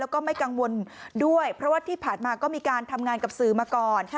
แล้วก็ไม่กังวลด้วยเพราะว่าที่ผ่านมาก็มีการทำงานกับสื่อมาก่อน